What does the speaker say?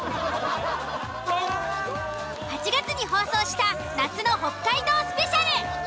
８月に放送した夏の北海道スペシャル。